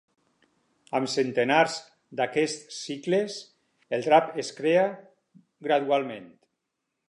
Amb centenars d'aquests cicles, el drap es crea gradualment.